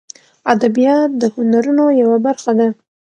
ادبیات د هنرونو یوه برخه ده